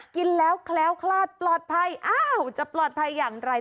กินแล้วแคล้วคลาดปลอดภัยอ้าวจะปลอดภัยอย่างไร